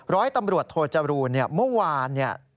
ร้อยตำรวจโทษจบรูญเมื่อวาน